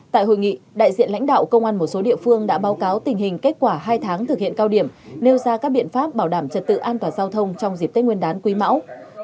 tại hội nghị đại diện lãnh đạo công an một số địa phương đã báo cáo tình hình kết quả hai tháng thực hiện cao điểm nêu ra các biện pháp bảo đảm trật tự an toàn giao thông trong dịp tết nguyên đán quý mão